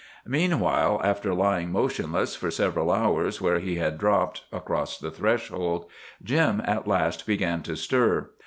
Meanwhile, after lying motionless for several hours, where he had dropped across the threshold, Jim at last began to stir.